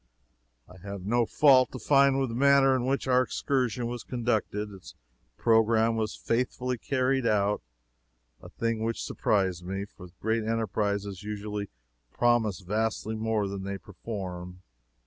I have no fault to find with the manner in which our excursion was conducted. Its programme was faithfully carried out a thing which surprised me, for great enterprises usually promise vastly more than they perform.